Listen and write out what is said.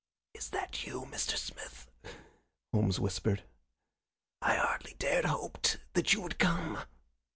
"Is that you, Mr. Smith?" Holmes whispered. "I hardly dared hope that you would come."